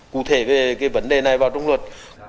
cụ thể về cái vấn đề này vào trong luật